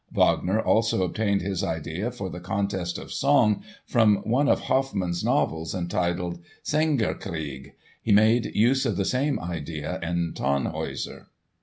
Wagner also obtained his idea for the contest of song from one of Hoffmann's novels entitled "Sängerkrieg." He made use of the same idea in "Tannhäuser."